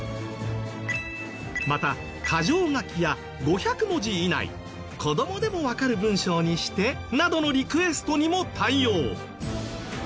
また箇条書きや５００文字以内「子どもでもわかる文章にして」などのリクエストにも対応。